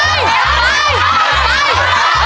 ไปเร็วหน้า